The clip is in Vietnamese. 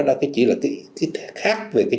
đó chỉ là cái khác về cái chính kiến